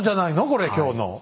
これ今日の。